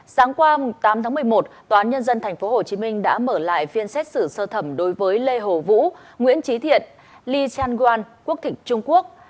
sáng qua tám tháng một mươi một tòa án nhân dân tp hcm đã mở lại phiên xét xử sơ thẩm đối với lê hồ vũ nguyễn trí thiện li chang gwan quốc tịch trung quốc